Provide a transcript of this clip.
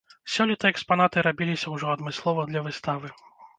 Сёлета экспанаты рабіліся ўжо адмыслова для выставы.